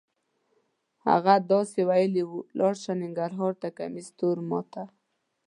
هغه داسې ویلې وه: لاړ شه ننګرهار ته کمیس تور ما ته.